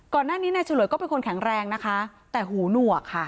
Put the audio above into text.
ก่อนหน้านี้นายฉลวยก็เป็นคนแข็งแรงนะคะแต่หูหนวกค่ะ